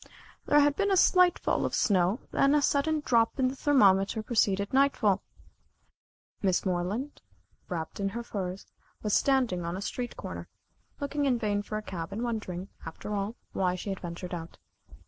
There had been a slight fall of snow, then a sudden drop in the thermometer preceded nightfall. Miss Moreland, wrapped in her furs, was standing on a street corner, looking in vain for a cab, and wondering, after all, why she had ventured out.